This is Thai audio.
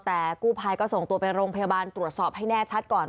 แต่กู้ภัยก็ส่งตัวไปโรงพยาบาลตรวจสอบให้แน่ชัดก่อน